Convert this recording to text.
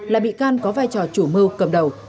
là bị can có vai trò chủ mưu cầm đầu